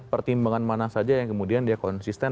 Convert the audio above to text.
pertimbangan mana saja yang kemudian dia konsisten